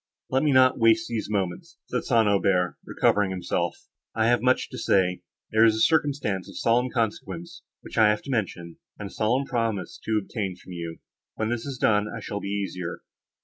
"Let me not waste these moments," said St. Aubert, recovering himself, "I have much to say. There is a circumstance of solemn consequence, which I have to mention, and a solemn promise to obtain from you; when this is done I shall be easier.